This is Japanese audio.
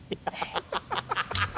ハハハハ！